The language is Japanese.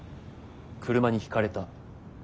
車にひかれた。